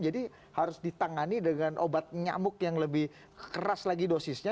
jadi harus ditangani dengan obat nyamuk yang lebih keras lagi dosisnya